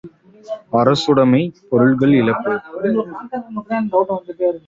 அரசுடைமைப் பொருள்கள் இழப்பு!